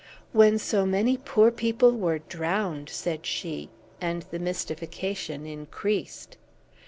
"When so many poor people were drowned!" said she. And the mystification increased.